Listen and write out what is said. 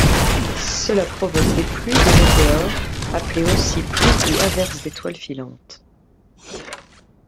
Cela provoque des pluies de météores, appelées aussi pluies ou averses d'étoiles filantes.